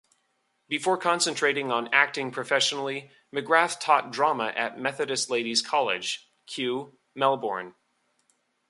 Before concentrating on acting professionally, McGrath taught drama at Methodist Ladies College, Kew, Melbourne.